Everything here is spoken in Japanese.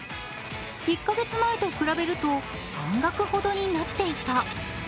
１カ月前と比べると半額ほどになっていた。